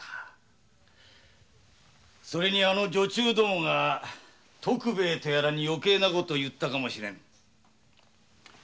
それに女中どもが徳兵衛に余計な事を言ったかもしれぬ。